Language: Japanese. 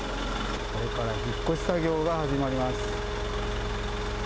これから引っ越し作業が始まります。